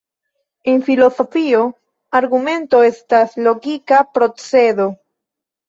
En filozofio, argumento estas logika procedo.